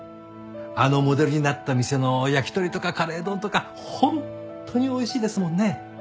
あのモデルになった店の焼き鳥とかカレー丼とか本当においしいですもんね。